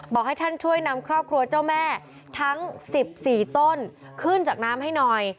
ให้ท่านช่วยนำครอบครัวเจ้าแม่ทั้ง๑๔ต้นขึ้นจากน้ำให้หน่อย